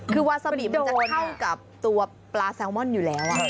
คือวาซาบิมันจะเข้ากับตัวปลาแซลมอนอยู่แล้ว